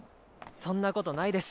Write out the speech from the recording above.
そんなことないです。